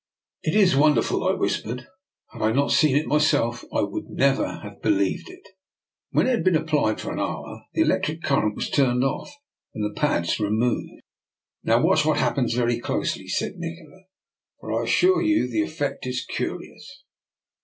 " It is wonderful," I whispered, r Had I not seen it myself, I would never l|iave be lieved it.*' When it had been applied for an tJour, the electric current was turned off and fjthe pads removed. k " Now watch what happens veryij closely/' DR. NIKOLA'S EXPERIMENT. 189 said Nikola, " for, I assure you, the effect is curious."